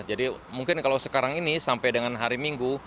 jadi mungkin kalau sekarang ini sampai dengan hari minggu